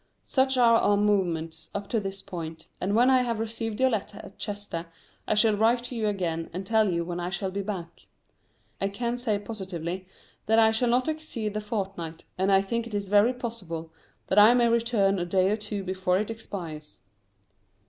Such are our movements up to this point, and when I have received your letter at Chester I shall write to you again and tell you when I shall be back. I can say positively that I shall not exceed the fortnight, and I think it very possible that I may return a day or two before it expires.